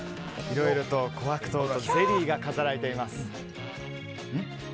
いろいろと琥珀糖とゼリーが飾られています。